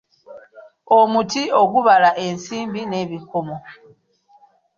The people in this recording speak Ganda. Omuti ogubala ensimbi n'ebikomo.